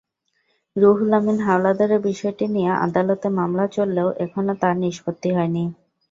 রুহুল আমিন হাওলাদারের বিষয়টি নিয়ে আদালতে মামলা চললেও এখনো তার নিষ্পত্তি হয়নি।